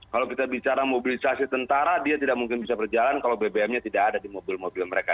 kalau kita bicara mobilisasi tentara dia tidak mungkin bisa berjalan kalau bbm nya tidak ada di mobil mobil mereka